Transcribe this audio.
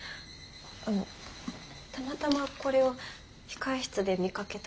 あのたまたまこれを控え室で見かけたもので。